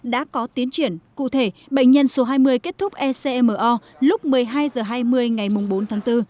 đã có tiến triển cụ thể bệnh nhân số hai mươi kết thúc ecmo lúc một mươi hai h hai mươi ngày bốn tháng bốn